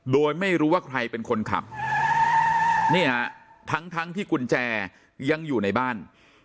โดยไม่รู้ว่าใครเป็นคนขับเนี่ยทั้งทั้งที่กุญแจยังอยู่ในบ้าน